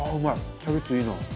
キャベツいいな。